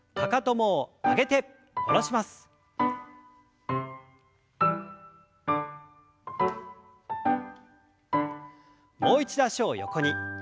もう一度脚を横に。